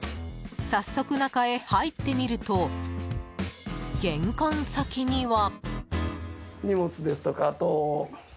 早速、中へ入ってみると玄関先には。